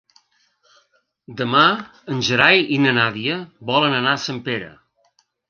Demà en Gerai i na Nàdia volen anar a Sempere.